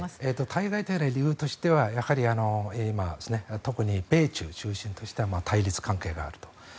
対外的な理由としてはやはり今、特に米中を中心とした対立関係があると。